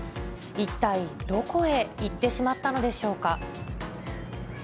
一体どこへ行ってしまったのでしょうか。